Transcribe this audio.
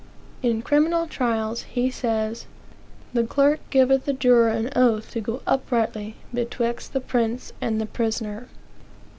In criminal trials, he says: "The clerk giveth the juror an oath to go uprightly betwixt the prince and the prisoner."